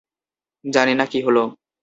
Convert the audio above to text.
জানি না কী হলো।